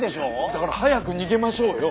だから早く逃げましょうよ。